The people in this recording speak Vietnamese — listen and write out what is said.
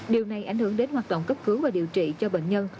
điều này ảnh hưởng đến hoạt động cấp cứu và điều trị cho bệnh nhân